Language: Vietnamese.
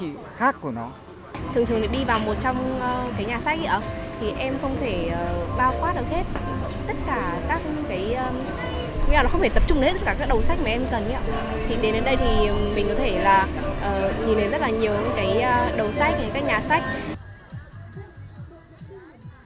tất cả các cái không thể tập trung đến tất cả các đầu sách mà em cần